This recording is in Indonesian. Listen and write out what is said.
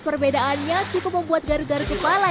perbedaannya cukup membuat garu garu kepala